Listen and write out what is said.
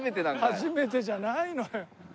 「初めて」じゃないのよ。